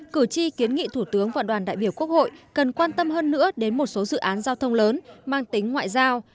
cử tri kiến nghị thủ tướng và đoàn đại biểu quốc hội cần quan tâm hơn nữa đến một số dự án giao thông lớn mang tính ngoại giao